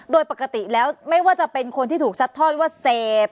โดยปกติแล้วไม่ว่าจะเป็นคนที่ถูกซัดทอดว่าเสพ